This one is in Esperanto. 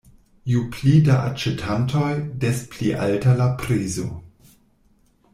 Ju pli da aĉetantoj, des pli alta la prezo.